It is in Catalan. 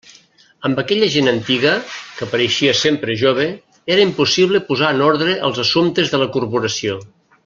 Amb aquella gent antiga, que pareixia sempre jove, era impossible posar en ordre els assumptes de la corporació.